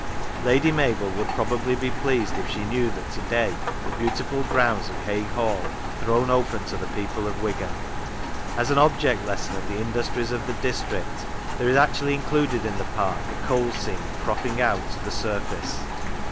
Lady Mabel would probably be pleased if she knew that to day the beautiful grounds of Haigh Hall are thrown open to the people of Wigan. As an object lesson of the industries of the district there is actually included in the park a coal seam cropping out to the surface.